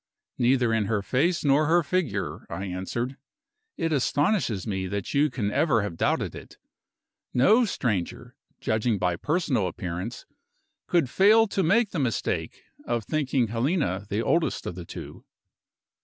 "Neither in her face nor her figure," I answered: "it astonishes me that you can ever have doubted it. No stranger, judging by personal appearance, could fail to make the mistake of thinking Helena the oldest of the two."